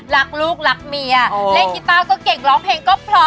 รักลูกรักเมียเล่นกีต้าก็เก่งร้องเพลงก็เพราะ